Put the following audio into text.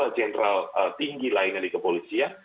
lalu dua jenderal tinggi lainnya di kepolisian